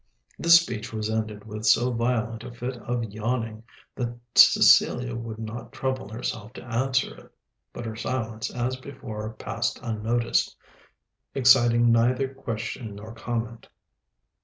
This speech was ended with so violent a fit of yawning that Cecilia would not trouble herself to answer it: but her silence as before passed unnoticed, exciting neither question nor comment.